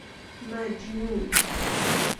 مجنون